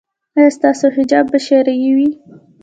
ایا ستاسو حجاب به شرعي وي؟